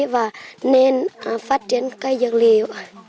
và nên phát triển cây dược liệu